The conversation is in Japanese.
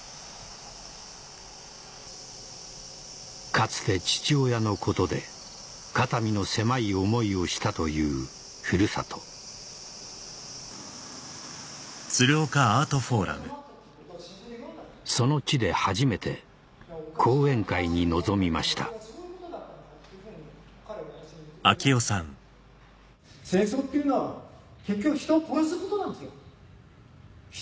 かつて父親のことで肩身の狭い思いをしたというふるさとその地で初めて講演会に臨みました人を殺すこと。